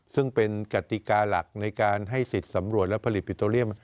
ซึ่งเป็นกติกาหลักในการให้สิทธิ์สำรวจและผลิตปิโตเรียม